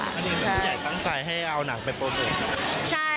อันนี้ผู้ใหญ่ตั้งสายให้เอานักไปโปรดเหลือ